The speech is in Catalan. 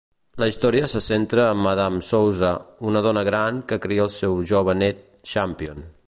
La història se centra en Madame Souza, una dona gran que cria el seu jove nét, Champion.